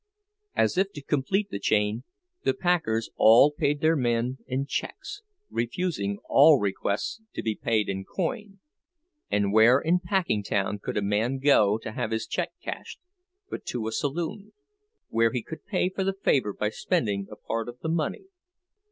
As if to complete the chain, the packers all paid their men in checks, refusing all requests to pay in coin; and where in Packingtown could a man go to have his check cashed but to a saloon, where he could pay for the favor by spending a part of the money?